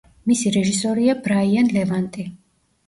მისი რეჟისორია ბრაიან ლევანტი.